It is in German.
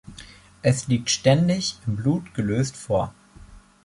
Es liegt ständig im Blut gelöst vor.